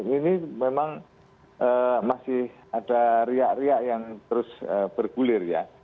ini memang masih ada riak riak yang terus bergulir ya